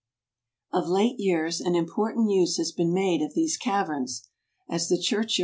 Of FltANCE. 85 late years, an important use has been made of these caverns: as the church y?